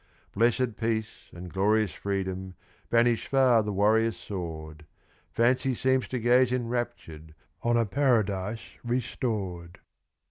Blessed peace and glorious freedom banish far the warrior's sword Fancy seems to gaze enraptur'd on a Paradise restored!